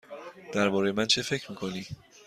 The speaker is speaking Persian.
درباره من چه فکر می کنی؟